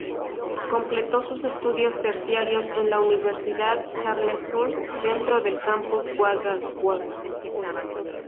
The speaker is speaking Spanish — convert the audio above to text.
Completó sus estudios terciarios en la Universidad Charles Sturt, dentro del Campus Wagga Wagga.